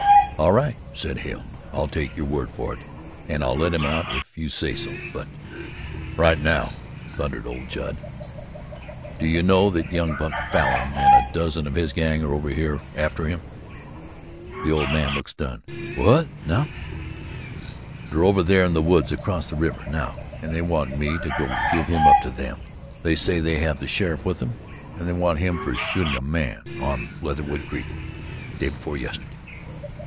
"All right," said Hale; "I'll take your word for it and I'll let him out, if you say so, but " "Right now," thundered old Judd. "Do you know that young Buck Falin and a dozen of his gang are over here after him?" The old man looked stunned. "Whut now?" "They're over there in the woods across the river NOW and they want me to give him up to them. They say they have the sheriff with them and they want him for shooting a man on Leatherwood Creek, day before yesterday."